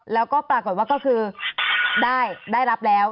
แล้วก็ปรากฏว่าก็คือได้รับแล้ว